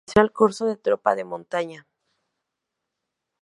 Realizó el curso de tropa de montaña.